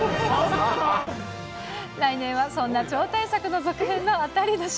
来年はそんな超大作の続編が当たり年。